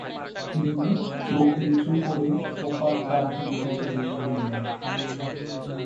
কুমু চোখ নিচু করে সোফার প্রান্তে নীরবে বসে রইল।